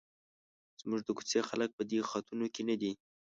زموږ د کوڅې خلک په دې خطونو کې نه دي.